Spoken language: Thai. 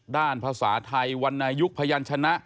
ด้านภาษาไทยวรรณยุคพญานชนะ